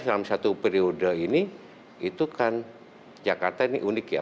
karena dalam satu periode ini itu kan jakarta ini unik ya